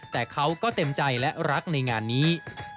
แต่เขาก็เต็มใจและรักในงานนี้